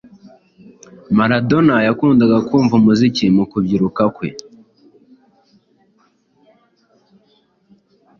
Maradona yakundaga kumva umuziki mu kubyiruka kwe